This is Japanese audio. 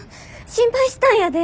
心配したんやで！